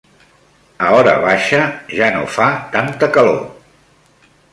A hora baixa ja no fa tanta calor.